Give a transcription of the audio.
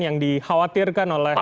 yang dikhawatirkan oleh